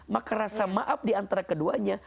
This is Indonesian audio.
maka rasa maaf di antara keduanya